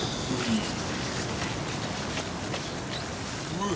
うん。